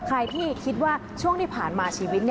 ใครที่คิดว่าช่วงที่ผ่านมาชีวิต